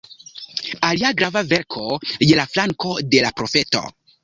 Alia grava verko: "Je la flanko de la profeto.